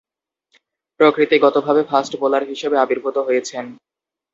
প্রকৃতিগতভাবে fast bowler হিসেবে আবির্ভূত হয়েছেন।